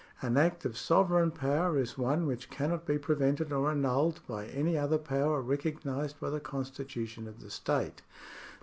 An act of sovereign power is one which cannot be prevented or annulled by any other power recognised by the constitution of the state.